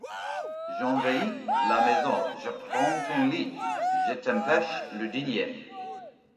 J'envahis la maison, je prends ton lit, je t'empêche de dîner.